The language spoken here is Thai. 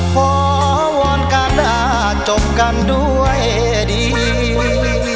ขอว้อนกาดาจบกันด้วยดี